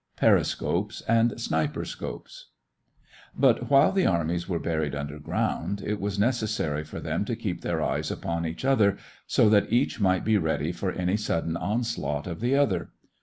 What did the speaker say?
PERISCOPES AND "SNIPERSCOPES" But while the armies were buried underground, it was necessary for them to keep their eyes upon each other so that each might be ready for any sudden onslaught of the other.